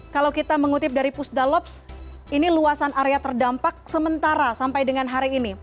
kalau kita mengutip dari pusdalops ini luasan area terdampak sementara sampai dengan hari ini